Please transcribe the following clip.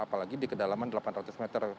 apalagi di kedalaman delapan ratus meter